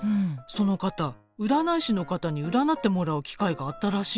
その方占い師の方に占ってもらう機会があったらしいのよ。